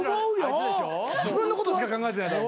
自分のことしか考えてない。